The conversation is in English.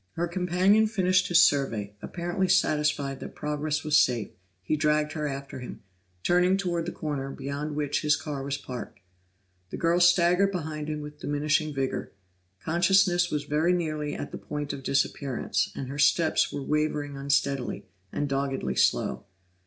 Her companion finished his survey; apparently satisfied that progress was safe, he dragged her after him, turning toward the corner beyond which his car was parked. The girl staggered behind him with diminishing vigor; consciousness was very nearly at the point of disappearance, and her steps were wavering unsteadily, and doggedly slow.